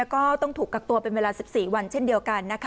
ก็ต้องถูกกักตัวเป็นเวลา๑๔วันเช่นเดียวกันนะคะ